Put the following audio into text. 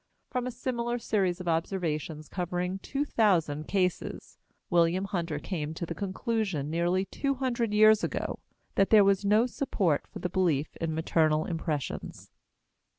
From a similar series of observations covering two thousand cases, William Hunter came to the conclusion, nearly two hundred years ago, that there was no support for the belief in maternal impressions.